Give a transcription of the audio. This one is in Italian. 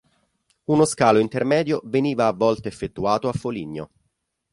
Uno scalo intermedio veniva a volte effettuato a Foligno.